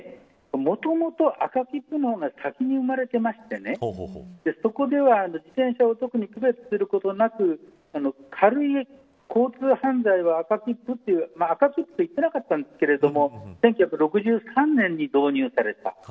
もともと赤切符の方が先に生まれてましてそこでは自転車を特に区別することなく軽い交通犯罪は赤切符という赤切符とは言ってなかったですが１９６３年に導入された。